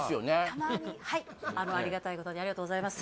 たまにはいありがたいことにありがとうございます